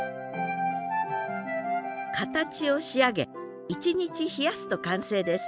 形を仕上げ１日冷やすと完成です。